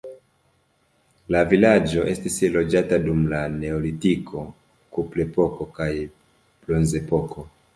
La vilaĝo estis loĝata dum la neolitiko, kuprepoko kaj bronzepoko.